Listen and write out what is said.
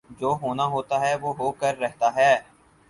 جو ہونا ہوتاہےوہ ہو کر رہتا ہے